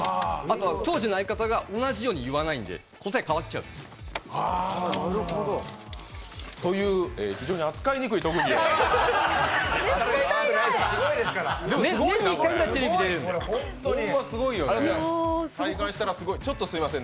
当時の相方が同じように言わないんで、答え、変わっちゃうんです。という非常に扱いにくい特技でございます。